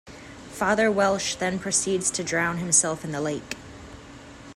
Father Welsh then proceeds to drown himself in the lake.